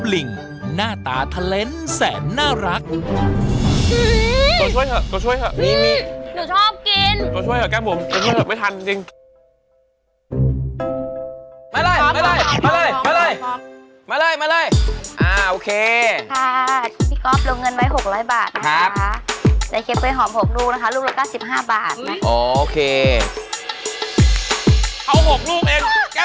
ลุง๙๕บาทนะคะเค้าห์ปครับทั้งหมด๒๑ลูกนะคะ